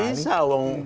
jelas tidak bisa